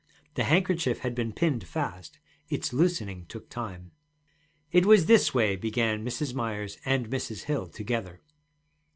The handkerchief had been pinned fast, its loosening took time. 'It was this way,' began Mrs. Myers and Mrs. Hill, together.